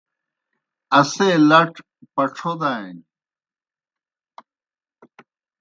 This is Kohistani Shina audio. اسے لڇ پَڇَھو دانیْ۔